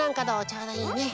ちょうどいいね。